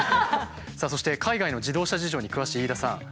さあそして海外の自動車事情に詳しい飯田さん。